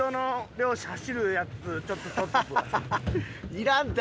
いらんて！